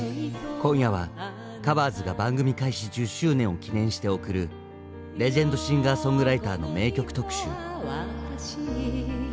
今夜は「カバーズ」が番組開始１０周年を記念して送るレジェンド・シンガーソングライターの名曲特集。